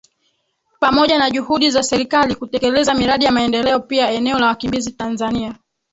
Pamoja na juhudi za Serikali kutekeleza miradi ya maendeleo pia eneo la wakimbizi Tanzania